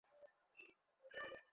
সে তার স্বামীকে হত্যা করেছে।